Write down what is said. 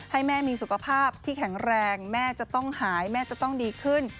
ให้แม่มีสุขภาพที่แข็งแรงแม่จะต้องหายแม่จะต้องดีขึ้น